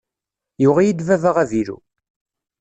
Yuɣ-iyi-d baba avilu.